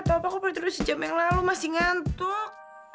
gapapa aku berterus sejam yang lalu masih ngantuk